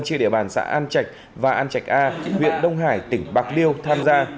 trên địa bàn xã an trạch và an trạch a huyện đông hải tỉnh bạc liêu tham gia